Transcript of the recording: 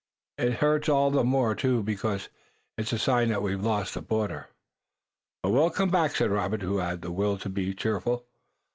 "It hurts all the more, too, because it's a sign that we've lost the border." "But we'll come back," said Robert, who had the will to be cheerful.